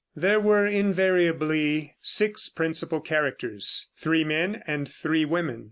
There were invariably six principal characters, three men and three women.